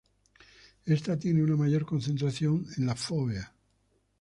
Esta tiene una mayor concentración en la fóvea.